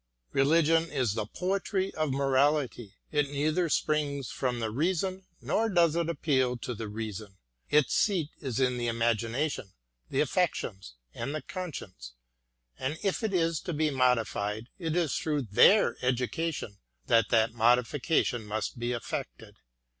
Religion is the poetry of morality : it neither springs from the reason nor does it appeal to the reason ; its seat is in the imagina tion, the affections, and the conscience ; and if it is to be modified, it is through their education that that modification must be effected.